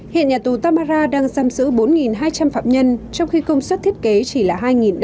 hiện nhà tù tamara đang giam giữ bốn hai trăm linh phạm nhân trong khi công suất thiết kế chỉ là hai năm trăm linh tù nhân